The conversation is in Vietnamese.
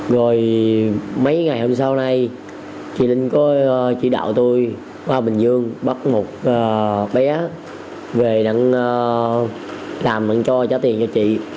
rồi mấy ngày hôm sau này chị linh có chỉ đạo tôi qua bình dương bắt một bé về làm cho trả tiền cho chị